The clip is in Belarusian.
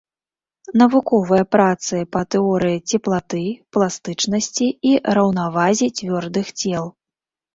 Навуковыя працы па тэорыі цеплаты, пластычнасці і раўнавазе цвёрдых цел.